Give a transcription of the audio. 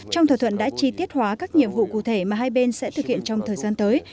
trong thỏa thuận đã chi tiết hóa các nhiệm vụ cụ thể mà hai bên sẽ thực hiện trong thời gian tới